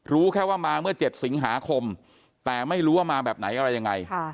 รู้แค่ว่ามาเมื่อ๗สิงหาคมแต่ไม่รู้ว่ามาแบบไหนอะไรยังไง